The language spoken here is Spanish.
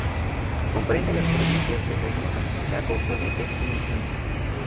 Comprende las provincias de Formosa, Chaco, Corrientes y Misiones.